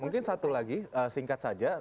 mungkin satu lagi singkat saja